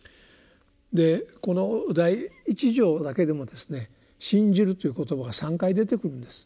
この第一条だけでもですね「信じる」という言葉が３回出てくるんです。